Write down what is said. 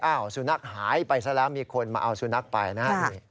อ้าวสุนัขหายไปสักแล้วมีคนมาเอาสุนัขไปนะ